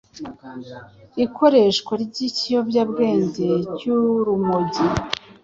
Ikoreshwa ry’ikiyobyabwenge cy’urumogi